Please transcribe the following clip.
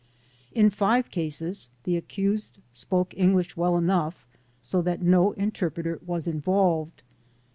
In 5 cases the accused spoke English well enough so that no interpreter was employed (Cf.